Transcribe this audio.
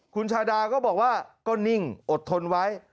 คุณชาดาก็บอกว่าก็นิ่งอดทนไว้